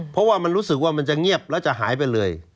เพราะว่ามันรู้สึกว่ามันจะเงียบแล้วจะหายไปเลย